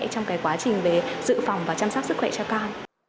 trong quá trình về dự phòng và chăm sóc sức khỏe cho con